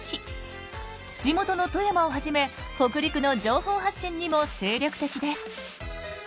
地元の富山をはじめ北陸の情報発信にも精力的です。